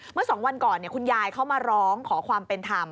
เมื่อ๒วันก่อนคุณยายเขามาร้องขอความเป็นธรรม